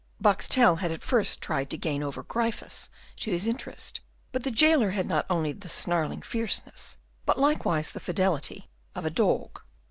Boxtel had at first tried to gain over Gryphus to his interest, but the jailer had not only the snarling fierceness, but likewise the fidelity, of a dog.